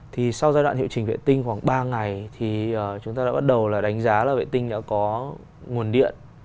thì sau giai đoạn hiệu trình vệ tinh khoảng ba ngày thì chúng ta đã bắt đầu là đánh giá là vệ tinh đã có nguồn điện